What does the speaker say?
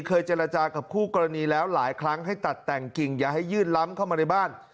เคยเจรจากับคู่กรณีแล้วหลายครั้งให้ตัดแต่งกิ่งอย่าให้ยื่นล้ำเข้ามาในบ้าน